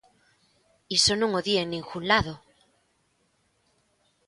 Iso non o di en ningún lado.